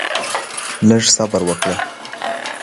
لږ صبر وکړه؛